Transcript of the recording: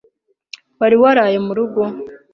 Wari waraye murugo?